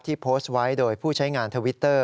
โพสต์ไว้โดยผู้ใช้งานทวิตเตอร์